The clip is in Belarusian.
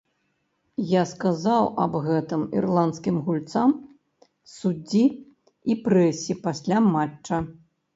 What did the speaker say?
Я сказаў аб гэтым ірландскім гульцам, суддзі і прэсе пасля матча.